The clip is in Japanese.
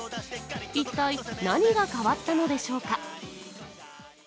一体、何が変わったのでしょうか。